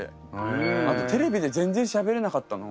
あとテレビで全然しゃべれなかったの。